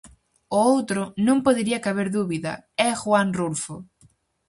O outro, non podería caber dúbida, é Juan Rulfo.